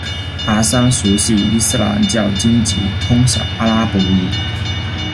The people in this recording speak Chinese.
哈三熟悉伊斯兰教经籍，通晓阿拉伯语。